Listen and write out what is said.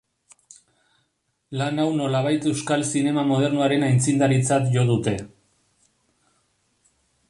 Lan hau nolabait euskal zinema modernoaren aitzindaritzat jotzen dute.